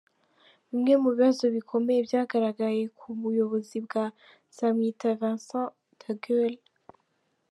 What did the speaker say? Bimwe mu bibazo bikomeye byagaragaye ku buyobozi bwa Nzamwita Vincent Degaulle.